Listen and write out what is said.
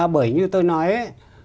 bởi như tôi nói ấy